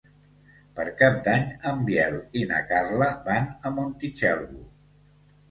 Per Cap d'Any en Biel i na Carla van a Montitxelvo.